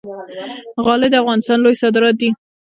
غالۍ د افغانستان لوی صادرات دي